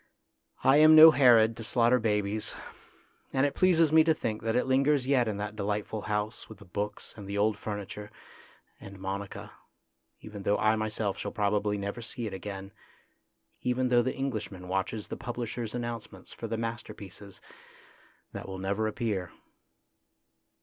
I am no Herod to slaughter babies, and it pleases me to think that it lingers yet in that delightful house with the books and the old furniture and Monica, even though I myself shall probably never see it again, even though the Englishman watches the publishers' an nouncements for the masterpieces that will never appear.